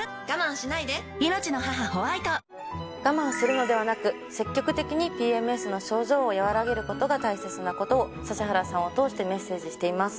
我慢するのではなく積極的にＰＭＳの症状を和らげることが大切なことを指原さんを通してメッセージしています。